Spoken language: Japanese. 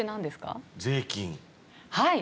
はい。